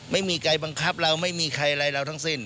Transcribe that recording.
ไม่มีใครบังคับเราไม่มีใครอะไรเราทั้งสิ้น